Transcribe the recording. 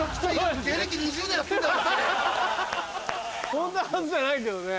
こんなはずじゃないけどね。